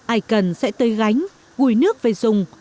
ai cần sẽ tới gánh gùi nước về dùng